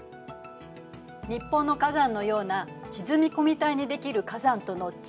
日本の火山のような沈み込み帯にできる火山との違い